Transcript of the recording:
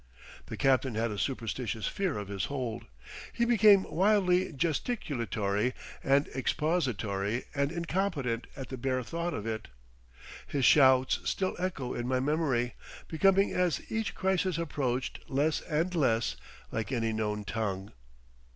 The captain had a superstitious fear of his hold: he became wildly gesticulatory and expository and incompetent at the bare thought of it. His shouts still echo in my memory, becoming as each crisis approached less and less like any known tongue.